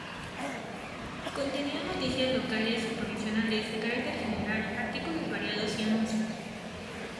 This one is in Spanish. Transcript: Contenía noticias locales y provinciales de carácter general, artículos variados y anuncios.